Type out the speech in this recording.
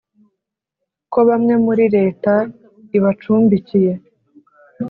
ko bamwe muri leta ibacumbikiye